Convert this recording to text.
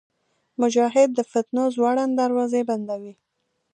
مجاهد د فتنو زوړند دروازې بندوي.